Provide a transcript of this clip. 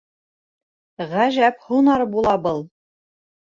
Ғәжәп һунар була был.